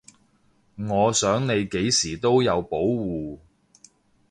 我想你幾時都有保護